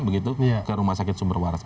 begitu ke rumah sakit sumber waras